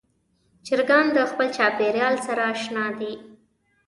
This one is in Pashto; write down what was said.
چرګان د خپل چاپېریال سره اشنا دي.